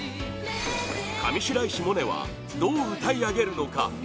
上白石萌音はどう歌い上げるのか？